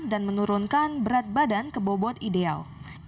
dan menurunkan berat badan ke bobot ideal